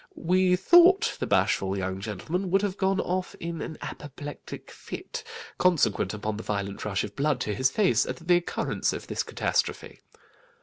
We thought the bashful young gentleman would have gone off in an apoplectic fit, consequent upon the violent rush of blood to his face at the occurrence of this catastrophe.